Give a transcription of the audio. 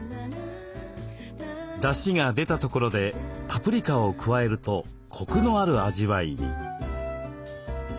だしが出たところでパプリカを加えるとコクのある味わいに。